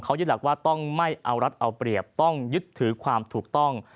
เขายึดหลักว่าต้องไม่เอารัฐเอาเปรียบต้องยึดถือความถูกต้อง